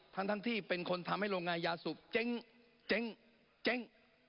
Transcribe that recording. ทั้งที่เป็นคนทำให้โรงงานยาสูบเจ๊ง